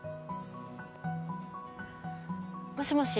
もしもし。